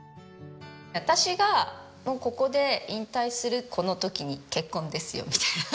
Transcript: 私がここで引退するこの時に結婚ですよみたいな。